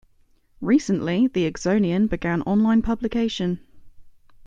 Recently, "The Exonian" began online publication.